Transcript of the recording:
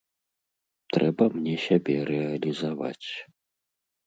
Трэба мне сябе рэалізаваць.